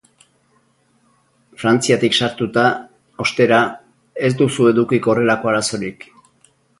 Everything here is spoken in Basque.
Frantziatik sartuta, ostera, ez duzu edukiko horrelako arazorik.